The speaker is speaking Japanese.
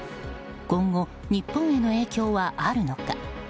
今後、日本への影響はあるのか。